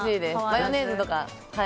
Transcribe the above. マヨネーズとか。